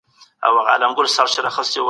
بې تا په حسن كي دي ګډ يم